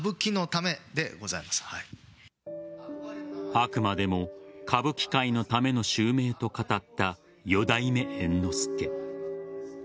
あくまでも歌舞伎界のための襲名と語った四代目猿之助。